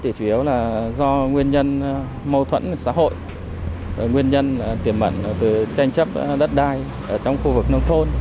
chủ yếu là do nguyên nhân mâu thuẫn xã hội nguyên nhân tiềm mẩn từ tranh chấp đất đai trong khu vực nông thôn